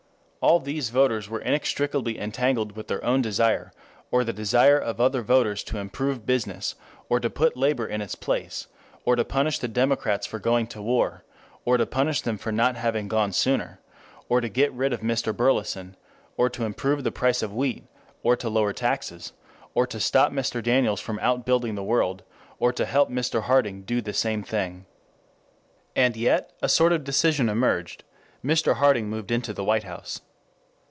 All these voters were inextricably entangled with their own desire, or the desire of other voters to improve business, or put labor in its place, or to punish the Democrats for going to war, or to punish them for not having gone sooner, or to get rid of Mr. Burleson, or to improve the price of wheat, or to lower taxes, or to stop Mr. Daniels from outbuilding the world, or to help Mr. Harding do the same thing. And yet a sort of decision emerged; Mr. Harding moved into the White House.